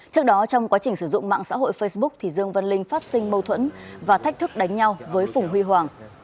trước đó trong quá trình sử dụng mạng xã hội facebook dương vân linh phát sinh mâu thuẫn và thách thức đánh nhau với phùng huy hoàng